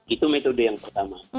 itu metode yang pertama